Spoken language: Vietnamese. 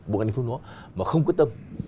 bộ ngành địa phương đó mà không quyết tâm